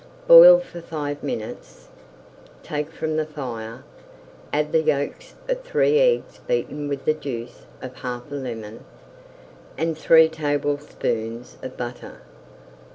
Boil for five minutes, take from the fire, add the yolks of three eggs beaten with the juice of half a lemon, and three tablespoonfuls of butter.